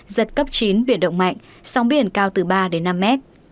giật cấp chín biển động mạnh sóng biển cao từ ba năm m